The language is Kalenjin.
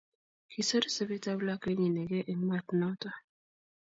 kisoru sobetab lakwenyin inegei Eng' maat noto